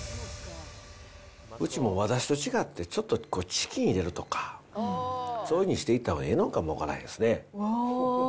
うちも和だしと違って、ちょっとチキン入れるとか、そういうふうにしていったほうがええのかも分からんですね。